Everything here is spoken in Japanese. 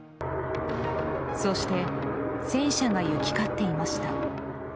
そして戦車が行き交っていました。